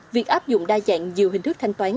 việc áp dụng đa dạng nhiều hình thức thanh toán